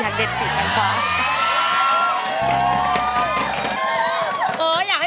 ไม่ใช้